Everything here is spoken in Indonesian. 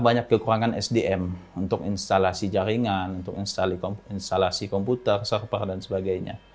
banyak kekurangan sdm untuk instalasi jaringan untuk instalasi komputer server dan sebagainya